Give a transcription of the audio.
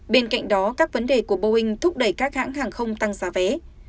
bên cạnh đó các vấn đề của boeing thúc đẩy các hãng hàng không tăng giá vé